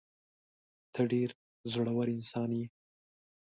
ته ډېر زړه ور انسان یې.